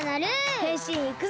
へんしんいくぞ！